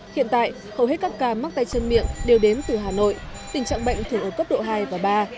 hiện tại hầu hết các ca mắc tay chân miệng đều đến từ hà nội tình trạng bệnh thường ở cấp độ hai và ba